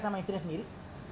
sama istrinya sendiri